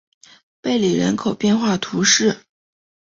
贝里人口变化图示